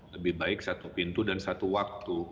lebih baik satu pintu dan satu waktu